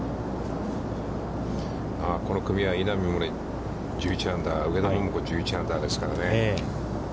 この組は、稲見萌寧、１１アンダー、上田桃子が１１アンダーですからね。